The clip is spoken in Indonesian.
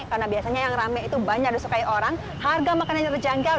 karena biasanya yang rame itu banyak disukai orang harga makannya terjangkau